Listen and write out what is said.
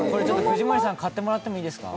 藤森さん、買ってもらってもいいですか？